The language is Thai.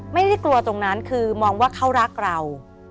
ไม่ได้กลัวตรงนั้นคือมองว่าเขารักเรา